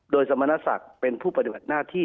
โดยสมณศักดิ์เป็นผู้ปฏิบัติหน้าที่